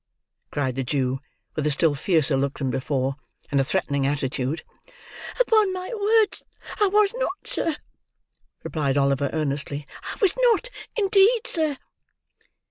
cried the Jew: with a still fiercer look than before: and a threatening attitude. "Upon my word I was not, sir," replied Oliver, earnestly. "I was not, indeed, sir."